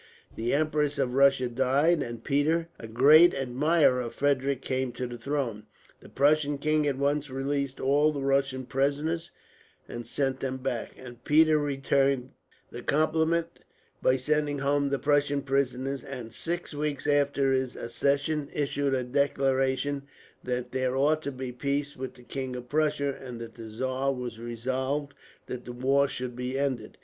The Empress of Russia died; and Peter, a great admirer of Frederick, came to the throne. The Prussian king at once released all the Russian prisoners, and sent them back; and Peter returned the compliment by sending home the Prussian prisoners and, six weeks after his accession, issued a declaration that there ought to be peace with the King of Prussia, and that the czar was resolved that the war should be ended.